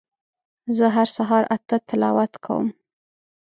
زه هر سهار اته تلاوت کوم